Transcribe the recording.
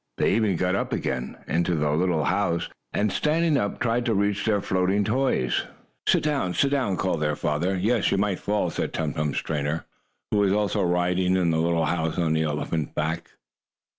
They even got up again into the little house, and, standing up, tried to reach their floating toys. "Sit down! Sit down!" called their father. "Yes, you might fall," said Tum Tum's trainer, or keeper, who was also riding in the little house on the elephant's back.